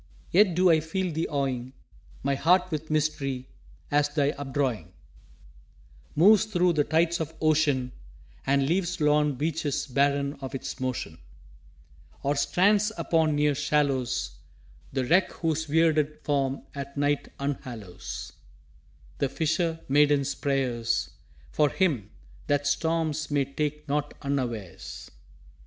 Yet do I feel thee awing My heart with mystery, as thy updrawing Moves thro' the tides of Ocean And leaves lorn beaches barren of its motion; Or strands upon near shallows The wreck whose weirded form at night unhallows The fisher maiden's prayers "For him! that storms may take not unawares!"